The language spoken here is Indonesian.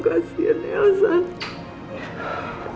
kasian elsa nuh